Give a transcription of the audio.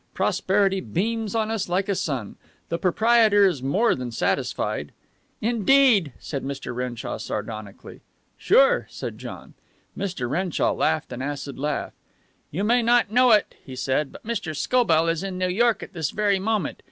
Prosperity beams on us like a sun. The proprietor is more than satisfied." "Indeed!" said Mr. Renshaw sardonically. "Sure," said John. Mr. Renshaw laughed an acid laugh. "You may not know it," he said, "but Mr. Scobell is in New York at this very moment.